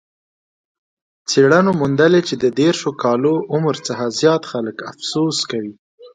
څېړنو موندلې چې د دېرش کاله عمر څخه زیات خلک افسوس کوي.